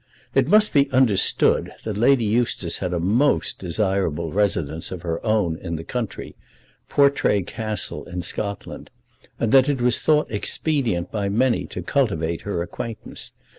It must be understood that Lady Eustace had a most desirable residence of her own in the country, Portray Castle in Scotland, and that it was thought expedient by many to cultivate her acquaintance.